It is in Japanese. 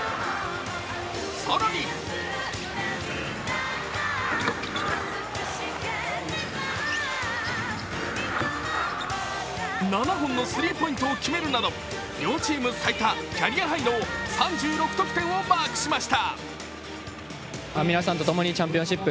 更に７本のスリーポイントを決めるなど両チーム最多・キャリアハイの３６得点をマークしました。